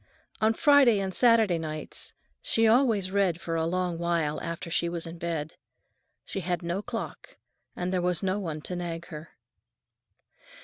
On Friday and Saturday nights she always read for a long while after she was in bed. She had no clock, and there was no one to nag her.